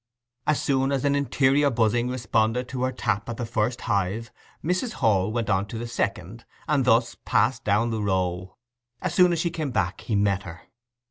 As soon as an interior buzzing responded to her tap at the first hive Mrs. Hall went on to the second, and thus passed down the row. As soon as she came back he met her.